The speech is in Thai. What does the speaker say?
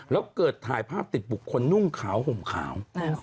แล้วเกิดถ่ายภาพติดบุคคลนุ่งขาวห่มขาว